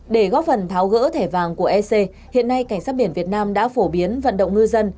để góp phần tháo gỡ thẻ vàng của ec hiện nay cảnh sát biển việt nam đã phổ biến vận động ngư dân